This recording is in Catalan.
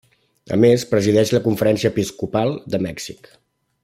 A més presideix la Conferència Episcopal de Mèxic.